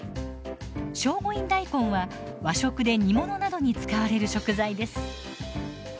聖護院大根は和食で煮物などに使われる食材です。